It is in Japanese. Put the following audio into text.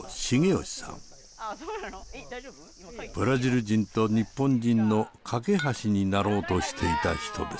ブラジル人と日本人の懸け橋になろうとしていた人です。